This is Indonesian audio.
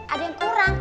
ada yang kurang